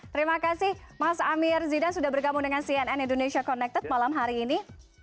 terima kasih mas amir zidan sudah bergabung dengan cnn indonesia connected malam hari ini